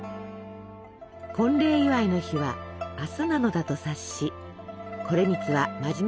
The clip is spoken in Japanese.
婚礼祝いの日は明日なのだと察し惟光は真面目くさってこう尋ねます。